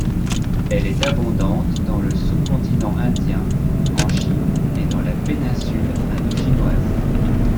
Elle est abondante dans le sous-continent indien, en Chine et dans la péninsule indochinoise.